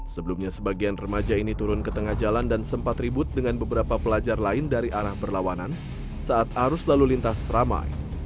sebelumnya sebagian remaja ini turun ke tengah jalan dan sempat ribut dengan beberapa pelajar lain dari arah berlawanan saat arus lalu lintas ramai